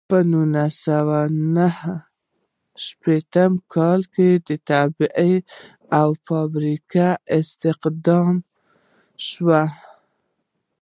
په نولس سوه نهه شپیته کال کې تبعید او په فابریکه کې استخدام شو.